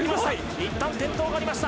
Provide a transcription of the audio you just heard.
いったん転倒がありました。